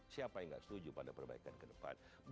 siapa yang nggak setuju pada perbaikan ke depan